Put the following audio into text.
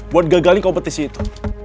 buat gagalin kompetisi itu